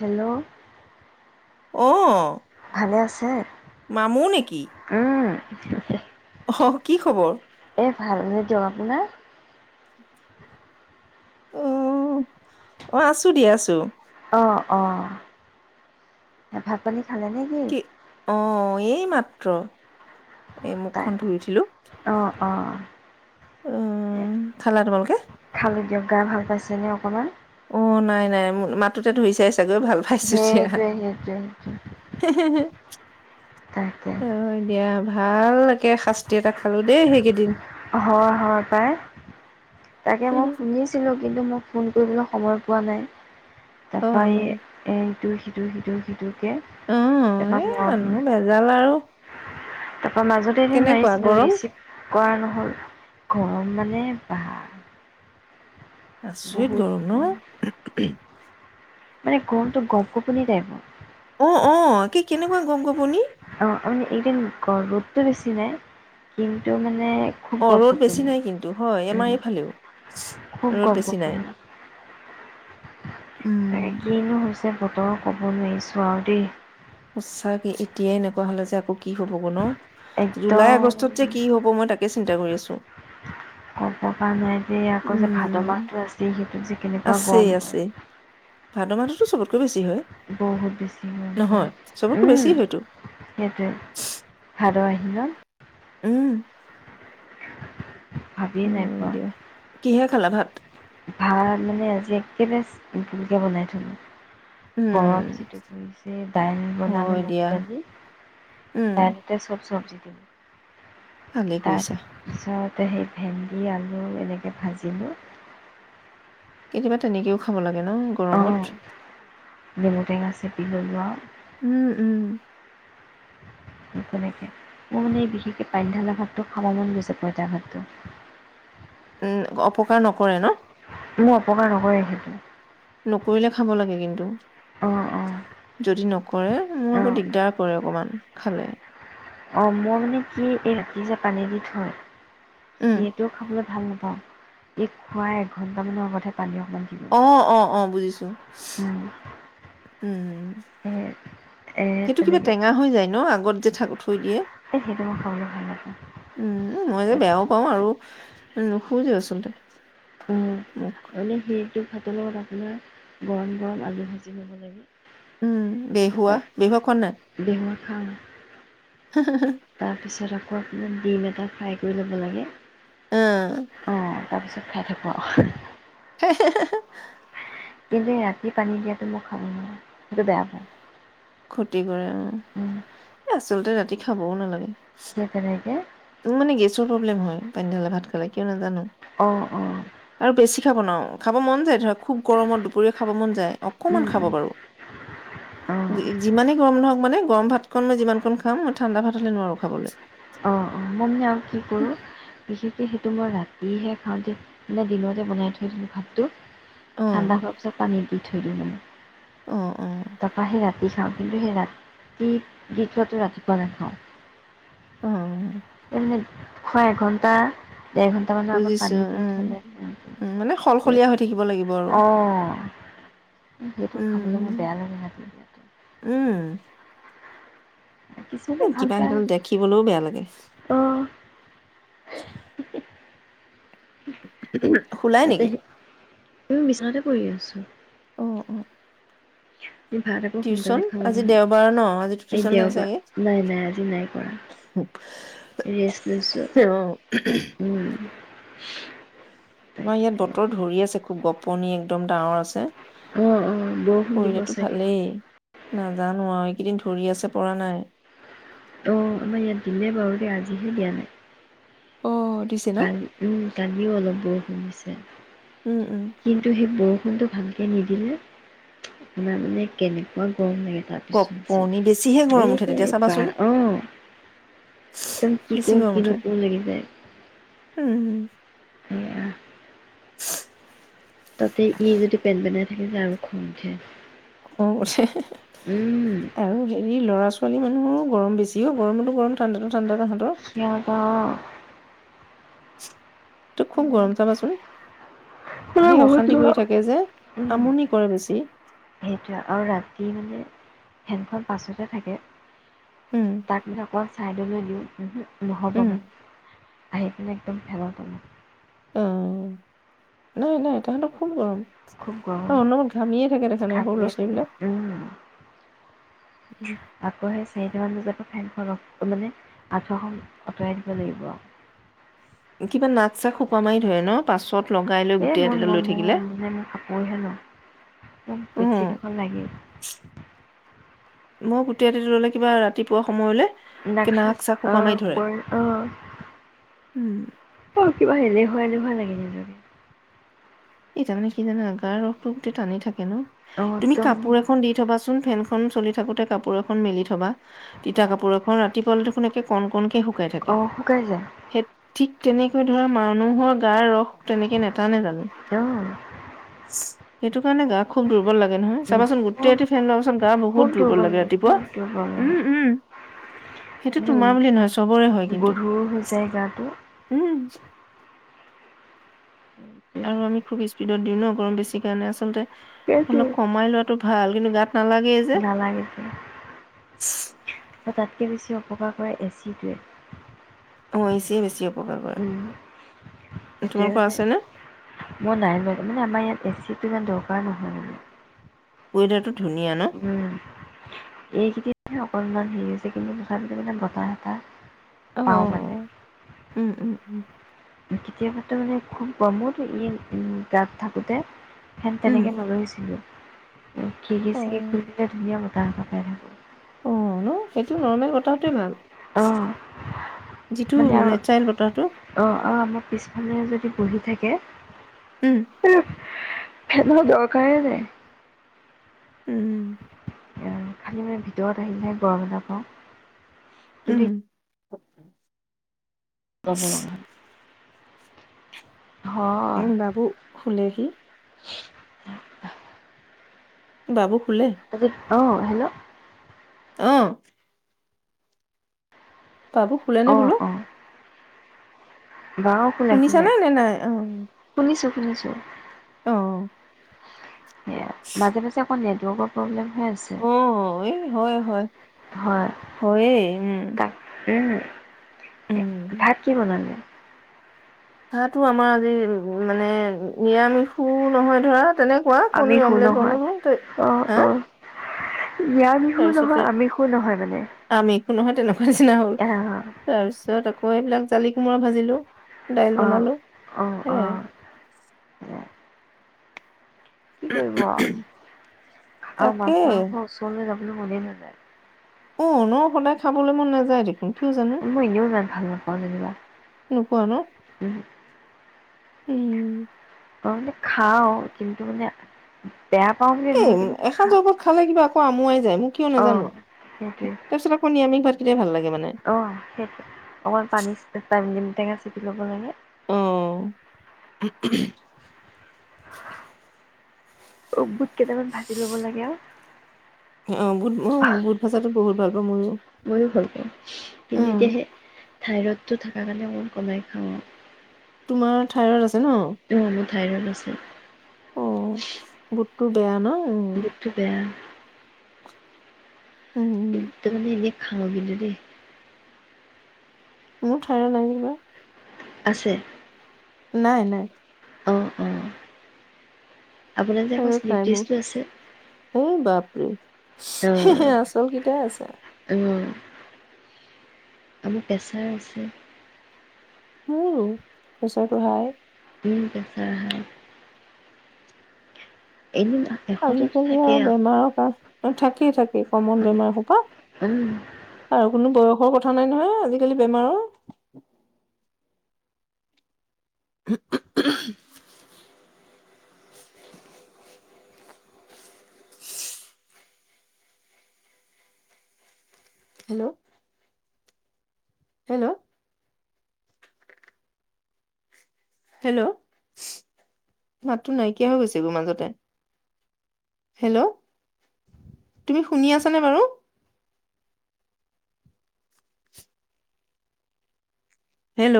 Hello অ। ভালে আছে? মামু নেকি? হয়। অ কি খবৰ? এ ভাল ন দিয়ক, আপোনাৰ? অ অ আছো দিয়া আছো। অ অ ভাত পানী খালে নে কি অ এই মাত মাত্ৰ এই মুখখন ধুই উঠিলো। অঁ। উম খালা তোমালোকে? খালোঁ দিয়ক গা ভাল পাইছেনে অকণমান? অ নাই নাই মাতোতে ধুই চাইছ চাকৈ ভাল পাইছো দিয়া । [unintelligible] সেইটোৱে সেইটোৱে [unintelligible] তকে ভালকে শাস্তি এটা খালো দেই সেইকেইদিন হয় হয় পাই। তাকে মই শুনিছিলো। কিন্তু মই ফোন কৰিবলৈ সময় পোৱা নাই । অঁ তাৰপই এ সেইটো সিটো সিটো সিটো অ এ মানুহ ভেজাল আৰু । তাৰপ মাজতে এদিনাৰিছিলোঁ ৰিচিপ্ট [unintelligible] কৰা নহ'ল গৰম মানে বা আচুৰিত গৰম ন বহুত মানে গৰমটো গপ গোপনি টাইপৰ অ অ কি কেনেকুৱা গপ গোপনি অ মানে এইদিন গৰ্ভততটো বেছি নাই কিন্তু মানে [unintelligible] অ ৰ'দ বেছি গপ-গপনি। নাই কিন্তু হয় আমাৰ উম, এইফালেও খুব ৰ'দ বেছি নাই গপ-গপনি। উম । বতৰ ক'ব নোৱাৰিছোঁৱ আৰু দেই উচছ কি এতিয়াই এনেকুৱা হলে যে আকৌ কি হ'ব গ ন জুলাই আগষ্টত যে একদম কি হব মই তাকে চিন্তা কৰি আছো । ক'ব পৰা নাই যে আকৌ যে ভাদ মাহটো আছে সেইটোত যে কেনেকুৱা আছেই গৰম আছে আছে হয় ভাদ মাহটোতো চবতকৈ বেছি হয় । বহুত বেছি মন পৰে । চবতকৈ বেছি উম হয়তো সেইটোৱে ভাল । ৰিল [unintelligible] উম । ভাবিয়ে নাই পোৱা দিয়া । কিহে খালা ভাট । ভাত মানে আজি একেবাৰে ভুলকৈ বনাই থলোঁ । উম গৰম যিটো কৰিছে দাইল বনালো হয় মগু দিয়া আজি উম দাইলতে চব চব্জি উম ভালেই তাৰ কৰিছা পিছত তায়া সেই ভেন্দি আলু এনেকৈ ভাজিলোঁ । কেতিয়াবা তেনেকেও খাব লাগে । লাগে ন গৰমত অঁ । এইবল [unintelligible] উম, উম । তেনেকে মোৰ মানে বিশেষকে পানীঢালা ভাতটো খাম মন গৈছে পঁইতা ভাতটো। উম অপকাৰ নকৰে ন । মোৰ অপকাৰ নকয় সেইটো । নকৰিলে খাব লাগে কিন্তু অঁ অঁ যদি নকৰে মোৰ অঁ আকৌ দিগদাৰ কৰেৰে অকমান । খালে । অঁ মই মানে কি এই ৰাতি যে পানী দি থয় । উম, সিটোও খাবলৈ । ভাল নাপাওঁ এই খোৱা এঘণ্টামানৰ আগতহে পানী অ । অ অ অ বুজিছো উম, উম এই এই সেইটো কিবা তেনেকৈ টেঙা হৈ যায় ন আগত যে থাকোঁ এই সেইটো মই খাবলৈ ভাল নাপাওঁ উম মই যে বেয়াও পাওঁ আৰু নোখোজছো চল [unintelligible] অ মানে সি টো ভাতৰ লগত আপোনাৰ গৰম গৰম আলু ভাজি ল'ব লাগে উম তাৰপৰা বেহুৱা বেহুৱা খোৱা নাই? খাওঁ। তাৰ পিছত আকৌ কক ডিম এটা ফ্ৰাই কৰি ল'ব লাগে। অ তাৰ পিছত খাই থাকোঁ আৰু হে হে হে কিন্তু ৰাতি পানী দিয়াটো মই খাব নোৱাৰো সেইটো বেয়া পাও । ক্ষতি কৰা এ আছ আচলতে ৰাতি খাবৌ নালাগে। কিয় তেনেকে? মোৰ মানে গেছৰ প্ৰব্লেম হয় পানীঢালা ভাত খালে কিয় নাজানো। অ অ পিঠা বনাওঁ খাব মন যায় ধৰক খুব গৰমত দুপৰীয়া খাব মন যায়। অকমান উম খাব উম পাৰোঁ অঁ যিমানে গৰম নহওক মানে। গৰম ভাতকণ মই যিমানকণ খাম মই ঠাণ্ডা ভাত হ'লে নোৱাৰো খাবলে। অ অ মই মানে আৰু কি কৰোঁ বিশেষ কে সেইটো মই ৰাতিহে খাওঁ দেই, মই দিনতে বনাই থৈ দিলোঁ ভাতটো অ', ঠাণ্ডা হোৱা পিছত পানী দি থও ধৰিমে । [inaudible] অ', অ', তাৰপা হে ৰাতি বিশ্বাস কৰিবি ৰাতি ভিতৰতে ৰাতিপুৱা নাখাওঁ। [inaudible] অ এনে হয় এঘণ্টা দেৰ ঘন্টামানৰ আগত বুজিছো, পানী দি উম, উম, মানে থলে শলশলীয়া হৈ থাকিব লাগিব আৰু অ সেইটো খাবলৈ মোৰ উম, বেয়া লাগে ৰাতি দিয়াটো ওম কিবা এডাল দেখিবলৈও বেয়া লাগে। অ উ হু হুঁ শুলাই নেকি? ওম বিছনাতে পৰি আছো। অ অ [unintelligible] এই ভাত আকৌ টিউচন সোনকালে খালোঁ আজি দেওবাৰ ন' আজিতো নহয় আজি টিউচন নাই দেওবাৰ চাগে? নাই নাই আজি নাই কৰা ৰেষ্ট লৈছোঁ অ', ওহ । উঃ [unintelligible] নহয় ইয়াত বতৰ ধৰি আছে খুব গপ। কণী একদম ডাঙৰ আছে। অ অ বৰষুণ দিব কৰিলেতো চাগে ভালেই। - নাজানো আৰু এইকেইদিন ধৰি আছে পৰা নাই আহ আমাৰ ইয়াত দিলে বাৰু দে আজিহে দিয়া নাই অ', দিছে ন'? কালি উম কালিও অলপ বৰষুণ দিছে উম, উম, যে কিন্তু সেই বৰ ষুণ টো ভালকে নিদিলে মানে কেনেকুৱা গৰম লাগে তাৰপিছত যে গপনি বেছিহে গৰম উঠে তেতিয়া এ বা চাবাচোন, অ একদম কি বেছি কৰোঁ গৰম কি উঠে, নকৰোঁ লাগি যায় । উম উম সেয়া চু তাতে ই যদি পেন পেনাই তেতিয়া যে আৰু খং উঠে। খং উঠে হে হে হে উম আৰু হেৰি লৰা ছোৱালী মানে মোৰো গৰম বেছিও গৰমতো গৰম ঠাণ্ডাটো ঠাণ্ডা । [unintelligible] তো খুব গৰম চাবাচোন সেই বহুত অশান্তি গৰম কৰি থাকে যে উম আমনি কৰে বেছি সেইটো আৰু ৰাতি মানে ফেনখন পাছতে থাকে উম তাক যে আকছ ছাইডলৈ দিওঁ উমহো নহ'ব উম মানে আহি পেলাই একদম ফেন তলত অ নাই নাই তাহাঁতক খুব গৰম খুব গৰম আৰু অনবৰত ঘামিয়ে থাকে দেখা নাই সৰু ঘামিয়ে ল'ৰা ছোৱালী থাকে বিলাক উম আকৌ সেই চাৰিটামান বজাৰ পৰা ফেনখন মানে আঁঠুৱাখন আঁতৰাই দিব লাগিব কিবা নাক চাক সোপা মাৰি ধৰে ন পাচ এই মোৰ নোৱাৰোঁ মানে মোক কাপোৰ হে ন মোক অ বেডশ্বীট এখন লাগেই মই গোটেই ৰাতিটো ললে কিবা ৰাতিপুৱা সময়লৈ নাখায় অ আহ উম অ কিবা এলেহুৱা এলেহুৱা লাগে নিজকে এতিয়া মানে কি জানা গাৰ ৰসটো গোটেই টানি থাকে অঁ তুমি একদম কাপোৰ এখন দি থবাচোন ফেনখন চলি থাকোতে কাপোৰ এখন মেলি থ'বা তিতা কাপোৰ এখন ৰাতি টিপল দেখোন একে কণকণকে সু শুকাই থাকে, অঁ শুকাই যায় সে ঠিক তেনেকে ধৰা, মানুহৰ গাৰ ৰস তেনেকে নেটানে জানো? অহ, সেইটো কাৰণে গা খুব দুৰ্বল লাগে নহয়, চাবাচোন গোটেই খুব ৰাতি ফেন লবাচোন গা খুব বহুত দুৰ্বল লাগে, ৰাতিপুৱা খুব দুৰ্বল লাগে উম- উম, সেইটো মানে তোমাৰ বুলি নহয়, চবৰে হয় কিন্তু, গধুৰ হৈ যায় গাটো উম [inaudible] আৰু আমি খুব স্পীডত দিওঁ ন, গৰম বেছি কাৰণে আচলতে সেইটোৱে অলপ কমাই লোৱাটো ভাল। কিন্তু গাত নালাগেই যে নালাগে তাতকে বেছি অপকাৰ কৰে এচিটোৱে। হৈছেই বেছিও উম, সেইটোৱে তোমালোকৰ যে, আছে নে? মই নাই লোৱা মানে আমাৰ ইয়াত এচিটো ইমান দৰকাৰ নহয় মানে [unintelligible] ধুনীয়া ন, এইখিনিতহে অকণমান হেৰি হৈছে, কিন্তু তথাপিটো মানে বতাহ এটা অ, পাওঁ মানে। উম- উম- উম কেতিয়াবাটো, মানে খুব গৰমত ই গাত থাকোতে ফেন উম তেনেকে নলৈছিলোঁ। খিৰিকি- অ চিৰিকি খুলি দিলে ধুনীয়া বতাহ, তাৰ পকে [unintelligible] অ ন, সেইটো নৰ্মেল বতাহটোৱে ভাল। অ, যিটো মানে আৰু নেচাৰেল বতাহটো অ- অ আমাৰ পিছফালে যদি বহি থাকে উম, ফেনৰ দৰকাৰে নাই। উম, খালী মানে ভিতৰত আহিলেহে গৰম এটা পাওঁ। উম, কিন্তু গৰম [unintelligible] উম, বাবু শুলেহি। [inaudible] বাবু শুলে? তাৰপিছত অ হেল্ল' অ বাবু শুলেনে অ', বোলো? অ'। বাৰু খুলে খুলে শুনিছানে নে নাই অ? শুনিছো শুনিছো, অহ', এয়া মাজে-মাজে, অ', নেটৱৰ্কৰ প্ৰব্লেম, হৈ আছে অ', এই হয়-হয়-হয় হয় এ উম' তাক উম' উম ভাত কি বনালে? ভাতো আমাৰ আজি উম 'মানে নিৰামিষো নহয় ধৰা, তেনেকুৱা আমিষো কণী-অমলেট নহয় বনালো তে হা নিৰামিষো তাৰপিছতে নহয় আমিষো নহয় মানে, আম একো নহয় তেনেকা, নিচনা হল অ তাৰপিছত আকৌ, মই এইবিলাক জালি-কোমোৰা ভাজিলো। অ দাইল-বনালো অ অ হেয়াই। কি কৰিব আৰু তাকে মাছ-মাংসৰ ওচৰলৈ যাব, মনে নাযায় অ', ন', সদায় খাবলৈ মন নাযায় দেই‌ মই', এনেও মাছ ভাল নাপাওঁ যেনিবা নোপোৱা ন উম', উম অ', মানে খাওঁ কিন্তু মানে, বেয়া পাওঁ বুলি এই নহয় কিন্তু খা এসাঁজৰ পৰা খালে কিবা, কিবা আমুৱাই যায় কিয় অ নাজানো সেইটোৱে তাৰ পিছত কণী আনি, তোকে ভাল লাগে, মানে অ', সেইটো অকন পানী চিতাই - চিতাই দিম। টেঙা চেপি ল'ব লাগে, অহ অ', বুট কেইটামান ভাজি ল'ব লাগে, আৰু আহ', বুত উম, বুত ভাজাটো বহুত ভাল পাওঁ মইও, ময়ো থাইৰডটো থাকা কাৰনে, অলপ কমাই খাওঁ। তোমাৰ থাইৰইড আছে, ন উম', মোৰ থাইৰড আছে। বুটতো বেয়া ন'? উম বুটতো বেয়া। উম উম তাৰ মানে এনেই খাওঁ, কিন্তু দেই, মোৰ থাইৰড নাই নহয়। আছে । নাই-নাই। আপোনাৰ যে আকৌ আৰু শ্লিপ তাই ডিচটো আছে মোক এ বাপৰে হে-হে অ', আচল কিটাই আছে । অ', আমাৰ প্ৰেছাৰ আছে । উম, প্ৰেছাৰটো হাই উম, প্ৰেছাৰ হাই। এদিন এশতো আজিকালি থাকে আৰু বেমাৰৰ কাৰ থাকেই, থাকেই, কমন আৰু বেমাৰ সোপা উম, আৰু কোনো বয়স । দুখৰ কথা নাই নহয়, আজিকালি বেমাৰৰ । [inaudible] হেল্ল' হেল্ল' হেল্ল, ' মাতটো নাইকিয়া হৈ গৈছে গৈ মাজতে, হেল্ল, ' তুমি শুনি আছানে বাৰু? হেল্ল'